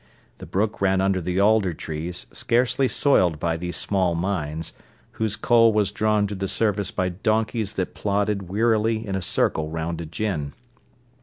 The brook ran under the alder trees, scarcely soiled by these small mines, whose coal was drawn to the surface by donkeys that plodded wearily in a circle round a gin.